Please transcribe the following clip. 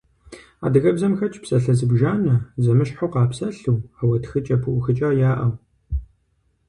Адыгэбзэм хэтщ псалъэ зыбжанэ, зэмыщхьу къапсэлъу, ауэ тхыкӏэ пыухыкӏа яӏэу.